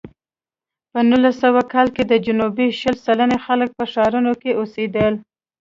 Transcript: په نولس سوه کال کې د جنوب شل سلنه خلک په ښارونو کې اوسېدل.